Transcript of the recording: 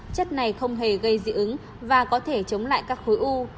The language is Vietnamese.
chất này không hề gây dị ứng và có thể chống lại các khối u